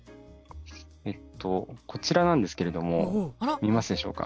えっとこちらなんですけれども見えますでしょうか？